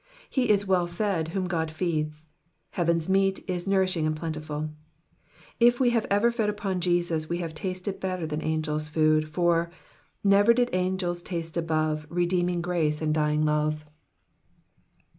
He is well fed whom God feeds ; heaven's meat is nourishing and plentiful. If we have ever fed upon Jesus we have tasted better than angels' food ; for Never did anircls taste above Rudecmin); grace und dyiii«^ love.